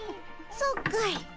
そうかい。